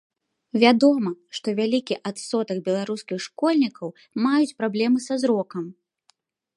Вядома, што вялікі адсотак беларускіх школьнікаў маюць праблемы са зрокам.